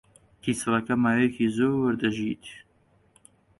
کیسەڵەکە ماوەیەکی زۆر دەژیت.